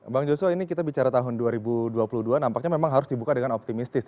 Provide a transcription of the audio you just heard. bang joshua ini kita bicara tahun dua ribu dua puluh dua nampaknya memang harus dibuka dengan optimistis